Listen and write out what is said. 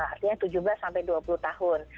artinya tujuh belas sampai dua puluh tahun